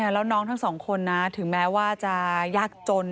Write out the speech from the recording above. แล้วน้องทั้งสองคนนะถึงแม้ว่าจะยากจน